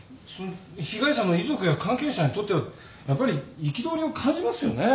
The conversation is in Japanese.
被害者の遺族や関係者にとってはやっぱり憤りを感じますよね。